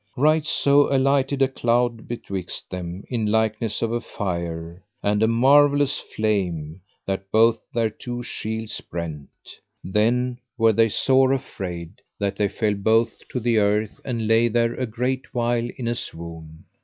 Right so alighted a cloud betwixt them in likeness of a fire and a marvellous flame, that both their two shields brent. Then were they sore afraid, that they fell both to the earth, and lay there a great while in a swoon.